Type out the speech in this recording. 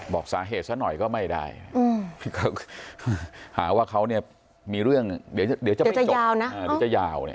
บอกสาเหตุซักหน่อยก็ไม่ได้หาว่าเขาเนี้ยมีเรื่องเดี๋ยวจะจะยาวนะงั้นจะยาว